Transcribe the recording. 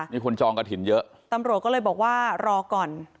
นี่คนจองกระถิ่นเยอะตำรวจก็เลยบอกว่ารอก่อน